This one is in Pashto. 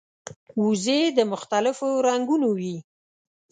وزې د مختلفو رنګونو وي